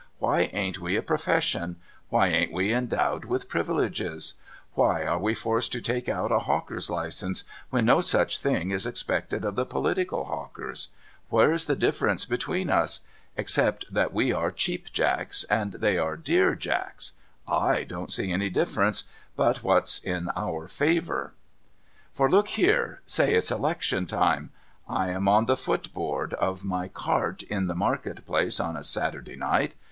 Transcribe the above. Why ain't we a profession ? Why ain't we endowed with privileges ? Why are we forced to take out a hawker's license, when no such thing is expected of the political hawkers ? ^Vhere's the difference betwixt us ? Except that we are Cheap Jacks, and they are Dear Jacks, / don't see any difference but what's in our favour. 384 DOCTOR MARIGOLD For look hero ! Say it's election time. I am on the foothoard of my cart in the market place, on a Saturday night.